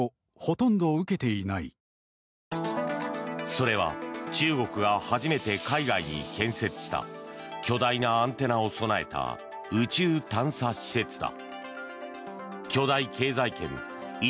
それは中国が初めて海外に建設した巨大なアンテナを備えた宇宙探査システムだ。